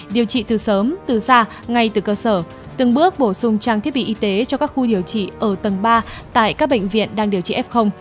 điều trị từ sớm từ xa ngay từ cơ sở từng bước bổ sung trang thiết bị y tế cho các khu điều trị ở tầng ba tại các bệnh viện đang điều trị f